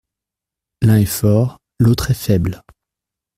L’un est fort, l’autre est faible.